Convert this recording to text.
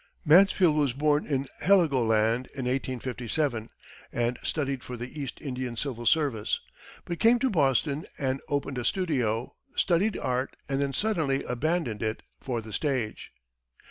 Mansfield was born in Heligoland in 1857, and studied for the East Indian civil service, but came to Boston and opened a studio, studied art, and then suddenly abandoned it for the stage.